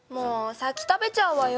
先食べちゃうわよ。